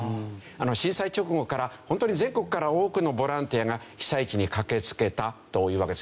震災直後から本当に全国から多くのボランティアが被災地に駆けつけたというわけです。